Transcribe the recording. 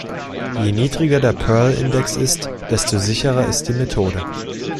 Je niedriger der Pearl-Index ist, desto sicherer ist die Methode.